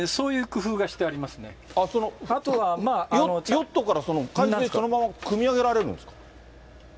だから、ヨットから海水、そのままくみ上げられるんですか？